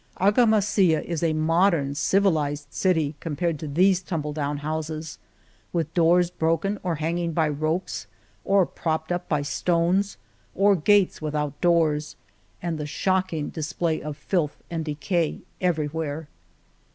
Arga masilla is a modern, civilized city compared to these tumble down houses, with doors broken or hanging by ropes or propped up by stones, or gates without doors, and the shocking display of filth and decay every where.